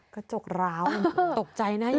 กระจกร้าวตกใจนะอย่างนี้